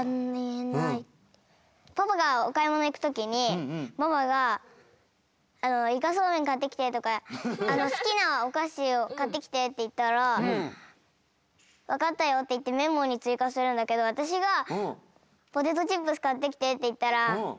パパがおかいものいくときにママが「いかそうめんかってきて」とか「すきなおかしをかってきて」っていったら「わかったよ」っていってメモについかするんだけどわたしがずるい！